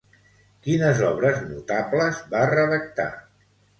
Quines obres notables va redactar?